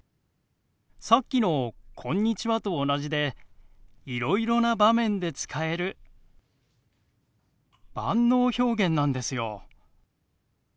さっきの「こんにちは」と同じでいろいろな場面で使える万能表現なんですよ。